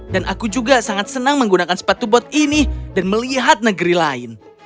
dan aku juga sangat senang menggunakan sepatu bot ini dan melihat negeri lain